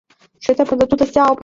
力士是日本相扑的选手。